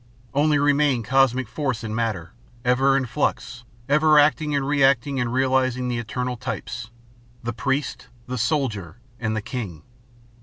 Only remain cosmic force and matter, ever in flux, ever acting and reacting and realizing the eternal types the priest, the soldier, and the king.